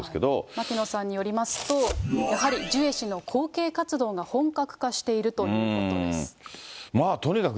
牧野さんによりますと、やはりジュエ氏の後継活動が本格化しとにかく